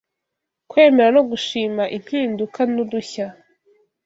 kwemera no gushima impinduka nudushya